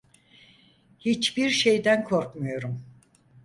Hiçbir şeyden korkmuyorum.